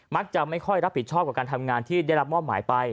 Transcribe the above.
จะไม่ค่อยรับผิดชอบกับการทำงานที่ได้รับมอบหมายไป